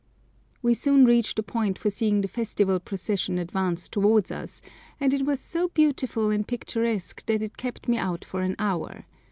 We soon reached a point for seeing the festival procession advance towards us, and it was so beautiful and picturesque that it kept me out for an hour.